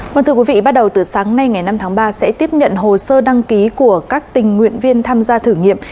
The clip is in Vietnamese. quân thưa quý vị bắt đầu từ sáng nay ngày năm tháng ba sẽ tiếp nhận hồ sơ đăng ký của các tình nguyện viên tham gia thử nghiệm